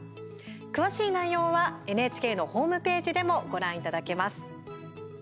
詳しい内容はＮＨＫのホームページでもご覧いただけます。